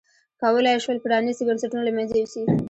کولای یې شول پرانیستي بنسټونه له منځه یوسي.